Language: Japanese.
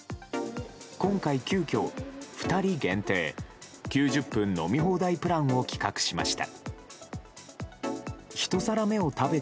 今回、急きょ２人限定９０分飲み放題プランを企画しました。